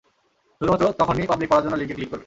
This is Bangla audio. শুধুমাত্র তখনই পাবলিক পড়ার জন্য লিংকে ক্লিক করবে।